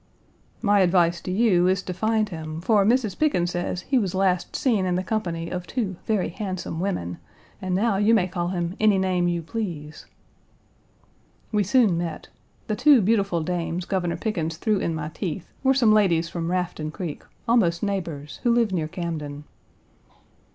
"My advice to you is to find Page 191 him, for Mrs. Pickens says he was last seen in the company of two very handsome women, and now you may call him any name you please." We soon met. The two beautiful dames Governor Pickens threw in my teeth were some ladies from Rafton Creek, almost neighbors, who live near Camden.